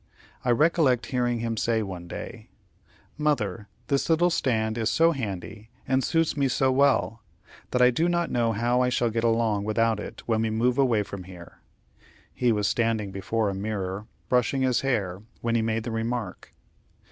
I recollect hearing him say one day: "Mother, this little stand is so handy, and suits me so well, that I do not know how I shall get along without it when we move away from here." He was standing before a mirror, brushing his hair, when he made the remark.